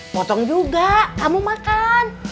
potong juga kamu makan